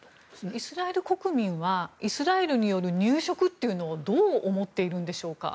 イスラエル国民はイスラエルによる入植というのをどう思っているんでしょうか？